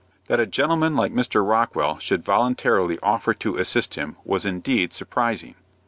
That a gentleman like Mr. Rockwell should voluntarily offer to assist him was indeed surprising.